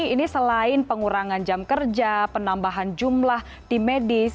ini selain pengurangan jam kerja penambahan jumlah di medis